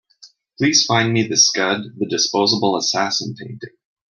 Please find me the Scud: The Disposable Assassin painting.